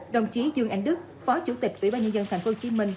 đồng chí dương anh đức phó chủ tịch ủy ban nhân dân tp hcm